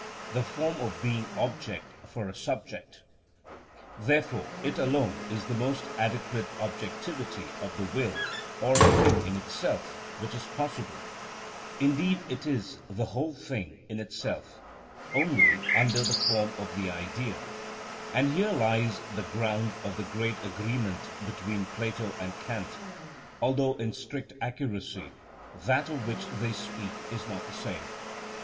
_, the form of being object for a subject. Therefore it alone is the most adequate objectivity of the will or thing in itself which is possible; indeed it is the whole thing in itself, only under the form of the idea; and here lies the ground of the great agreement between Plato and Kant, although, in strict accuracy, that of which they speak is not the same.